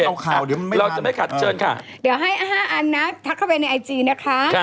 เอาข่าวเดี๋ยวไหมเขาขาดเชิญค่ะให้ห้าอันนับทักเข้าเป็นไอจีนะคะ